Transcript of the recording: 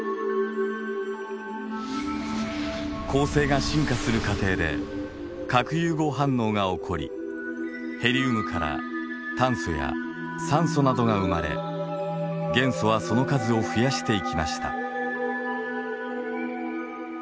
恒星が進化する過程で核融合反応が起こりヘリウムから炭素や酸素などが生まれ元素はその数を増やしていきました。